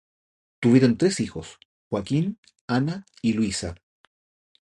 Tuvieron tres hijos, Joaquín, Ana y Luisa.